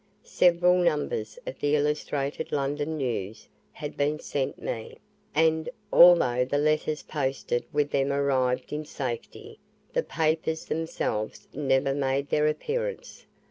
Several numbers of the "Illustrated London News" had been sent me, and, although the letters posted with them arrived in safety, the papers themselves never made their appearance.